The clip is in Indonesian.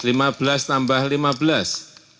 lima belas tambah lima belas